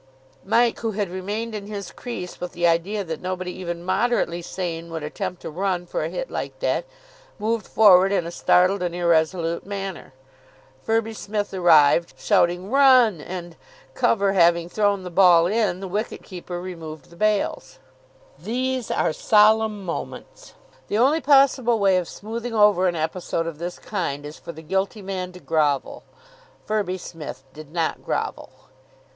Mike, who had remained in his crease with the idea that nobody even moderately sane would attempt a run for a hit like that, moved forward in a startled and irresolute manner. Firby Smith arrived, shouting "Run!" and, cover having thrown the ball in, the wicket keeper removed the bails. These are solemn moments. The only possible way of smoothing over an episode of this kind is for the guilty man to grovel. Firby Smith did not grovel.